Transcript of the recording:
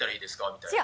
みたいな。